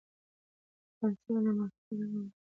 که پنسل وي نو مفکوره نه ورکیږي.